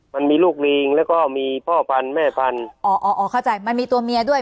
มันมีลูกลิงแล้วก็มีพ่อพันธุ์แม่พันธุ์อ๋ออ๋ออ๋อเข้าใจมันมีตัวเมียด้วย